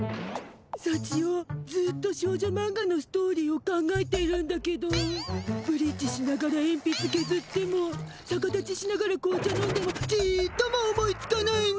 さちよずっと少女マンガのストーリーを考えているんだけどブリッジしながらエンピツけずってもさか立ちしながら紅茶飲んでもちっとも思いつかないの。